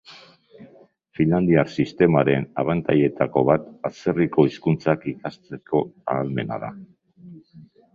Finlandiar sistemaren abantailetako bat atzerriko hizkuntzak irakasteko ahalmena da.